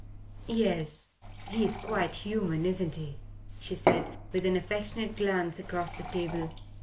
"Yes, he's quite human, isn't he?" she said with an affectionate glance across the table.